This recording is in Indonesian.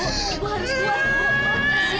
terima kasih ibu ibu